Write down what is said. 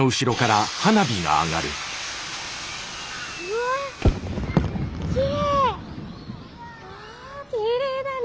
わあきれいだね。